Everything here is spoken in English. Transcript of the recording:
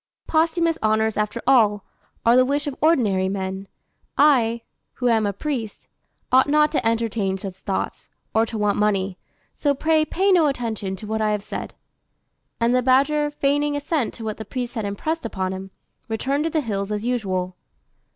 "Posthumous honours, after all, are the wish of ordinary men. I, who am a priest, ought not to entertain such thoughts, or to want money; so pray pay no attention to what I have said;" and the badger, feigning assent to what the priest had impressed upon it, returned to the hills as usual.